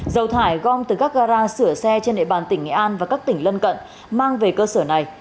dầu thải gom từ các gara sửa xe trên địa bàn tỉnh nghệ an và các tỉnh lân cận mang về cơ sở này